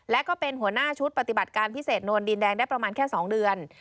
และก็เป็นหัวหน้าชุดปฏิบัติการพิเศษนวลดินแดงได้ประมาณแค่๒เดือน